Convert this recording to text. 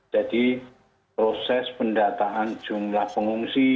jadi proses pendataan jumlah pengungsi